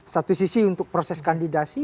satu sisi untuk proses kandidasi